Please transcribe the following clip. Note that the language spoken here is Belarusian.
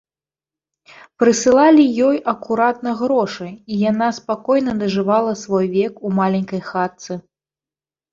Прысылалі ёй акуратна грошы, і яна спакойна дажывала свой век у маленькай хатцы.